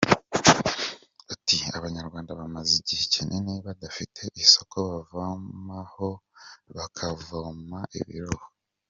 Ati” Abanyarwanda bamaze igihe kinini badafite isoko bavomaho, bakavoma ibirohwa.